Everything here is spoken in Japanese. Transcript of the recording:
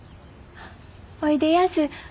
おいでやす。